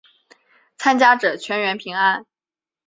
参加者全员平安。